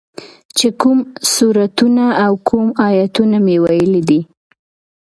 چې کوم سورتونه او کوم ايتونه مې ويلي دي.